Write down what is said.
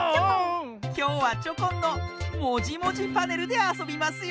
きょうはチョコンの「もじもじパネル」であそびますよ。